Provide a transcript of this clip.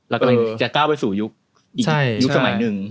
แล้วก็จะก้าวไปสู่ยุคสมัยหนึ่ง